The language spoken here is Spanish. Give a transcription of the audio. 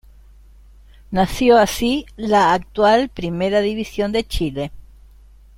Nació así, la actual Primera División de Chile.